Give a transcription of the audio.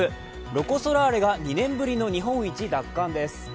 ロコ・ソラーレが２年ぶりの日本一奪還です。